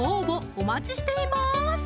お待ちしています